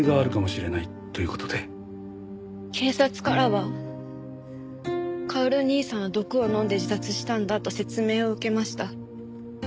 警察からは薫兄さんは毒を飲んで自殺したんだと説明を受けました。